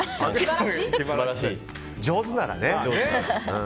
上手ならね。